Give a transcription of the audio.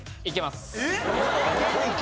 いけます。